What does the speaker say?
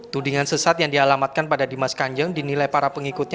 tudingan sesat yang dialamatkan pada dimas kanjeng dinilai para pengikutnya